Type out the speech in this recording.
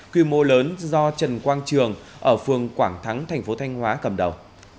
quy mô lớn do trần quang trường ở phường quảng thắng tp thanh hóa cầm đầu